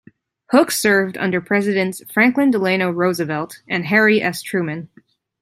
Hook served under Presidents Franklin Delano Roosevelt and Harry S. Truman.